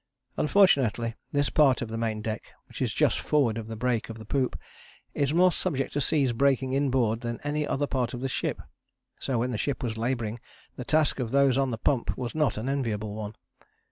Unfortunately, this part of the main deck, which is just forward of the break of the poop, is more subject to seas breaking inboard than any other part of the ship, so when the ship was labouring the task of those on the pump was not an enviable one.